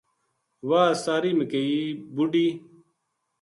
واہ ساری مکئی بڈھی